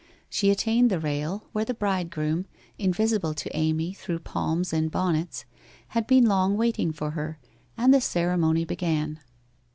She attained the rail where the bridegroom, invisible to Amy through palms and bonnets, had been long waiting for her, and the cere mony began.